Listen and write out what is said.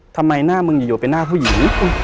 ทำไมหน้ามึงอยู่เป็นหน้าผู้หญิง